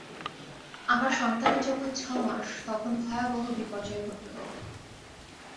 আমার সন্তানের যখন ছমাস তখন ভয়াবহ বিপর্যয় ঘটল।